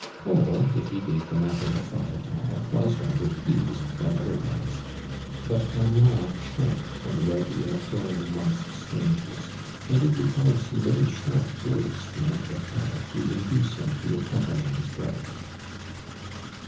Paul, if he gave tiie matter a thought at all, was rather pleased than otherwise, but Armand shrank from the idea of going amongst strangers ; and it i'<^quir(rd some very sharj) words from Aunt Katelle to induce him to accompany his bi'Other.